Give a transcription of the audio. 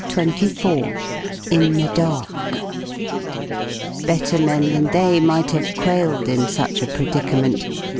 CHAPTER XXIV IN THE DARK Better men than they might have quailed in such a predicament.